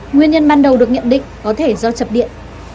nguyên nhân ban đầu được nhận định có thể do chập điện